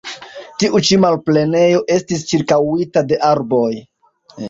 Tiu ĉi malplenejo estis ĉirkaŭita de arboj.